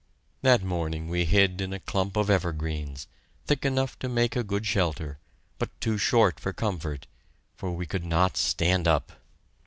That morning we hid in a clump of evergreens, thick enough to make a good shelter, but too short for comfort, for we could not stand up!